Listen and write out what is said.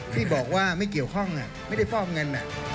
ที่บอกว่าไม่เกี่ยวข้องไม่ได้ฟอกเงิน